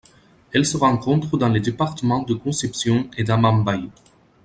Elle se rencontre dans les départements de Concepción et d'Amambay.